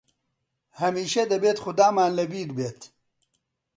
هەمیشە دەبێت خودامان لە بیر بێت!